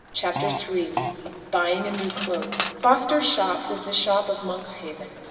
CHAPTER III BUYING A NEW CLOAK Foster's shop was the shop of Monkshaven.